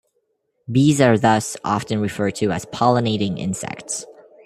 Bees are thus often referred to as 'pollinating insects'.